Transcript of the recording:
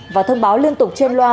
và thông báo liên tục trên loa